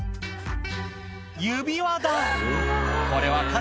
指輪だ！